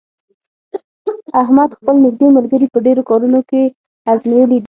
احمد خپل نېږدې ملګري په ډېرو کارونو کې ازمېیلي دي.